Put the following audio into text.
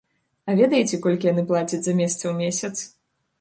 А ведаеце, колькі яны плацяць за месца ў месяц?